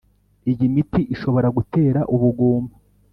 iyi miti ishobora gutera ubugumba